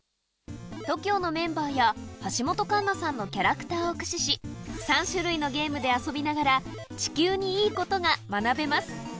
ＴＯＫＩＯのメンバーや橋本環奈さんのキャラクターを駆使し、３種類のゲームで遊びながら、地球にいいことが学べます。